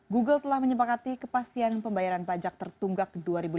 google telah menyepakati kepastian pembayaran pajak tertunggak dua ribu delapan belas